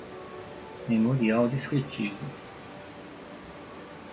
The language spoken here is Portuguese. memorial descritivo